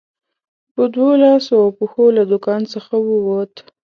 په دوو لاسو او پښو له دوکان څخه ووت.